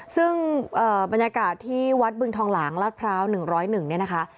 ซึ่งบรรยากาศที่วัดบึงทองหลางลาดพร้าว๑๐๑เนี่ยนะคะ